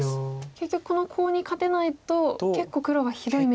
結局このコウに勝てないと結構黒はひどい目に。